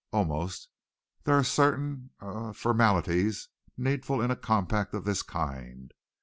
"Almost. There are certain er formalities needful in a compact of this kind."